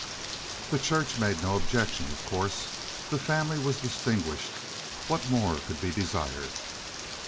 The Church made no objection, of course. The family was distinguished. What more could be desired?